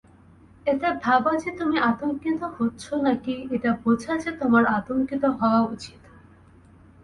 এটা ভাবা যে তুমি আতঙ্কিত হচ্ছো নাকি এটা বোঝা যে তোমার আতঙ্কিত হওয়া উচিত?